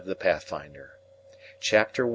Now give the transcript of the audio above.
THE PATHFINDER. CHAPTER I.